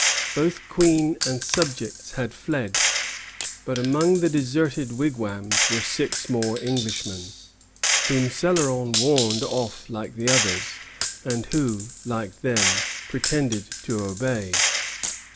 Both Queen and subjects had fled; but among the deserted wigwams were six more Englishmen, whom Céloron warned off like the others, and who, like them, pretended to obey.